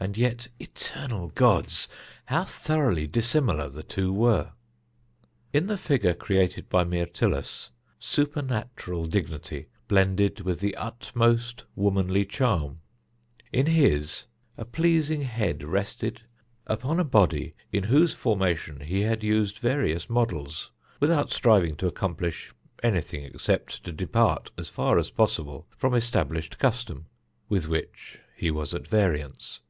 And yet eternal gods! how thoroughly dissimilar the two were! In the figure created by Myrtilus, supernatural dignity blended with the utmost womanly charm; in his, a pleasing head rested upon a body in whose formation he had used various models without striving to accomplish anything except to depart as far as possible from established custom, with which he was at variance.